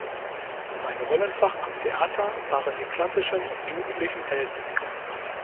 Sein Rollenfach am Theater waren die klassischen, jugendlichen Helden.